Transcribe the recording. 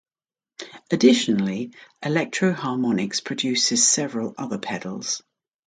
Additionally, Electro-Harmonix produces several other pedals.